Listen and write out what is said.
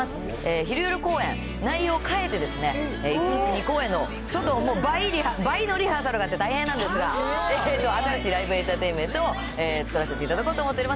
昼夜公演、内容を変えてですね、１日２公演の、ちょっともう、倍のリハーサルがあって大変なんですが、新しいライブエンターテインメントを作らせていただこうと思っております。